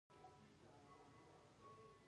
د مالیې وزارت سیستم سره وصل دی؟